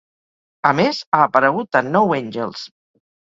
A més, ha aparegut a "No Angels".